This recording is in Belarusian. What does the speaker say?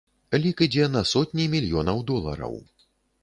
Лік ідзе на сотні мільёнаў долараў.